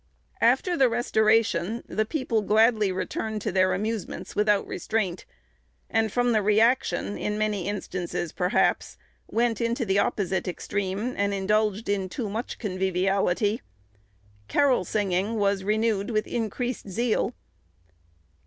After the Restoration, the people gladly returned to their amusements without restraint, and from the reaction, in many instances perhaps, went into the opposite extreme and indulged in too much conviviality. Carol singing was renewed with increased zeal.